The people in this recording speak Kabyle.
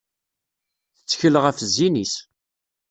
Tettkel ɣef zzin-is.